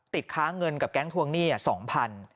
ค้าเงินกับแก๊งทวงหนี้๒๐๐บาท